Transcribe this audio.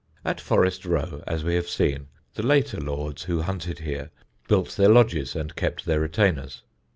At Forest Row, as we have seen, the later lords who hunted here built their lodges and kept their retainers.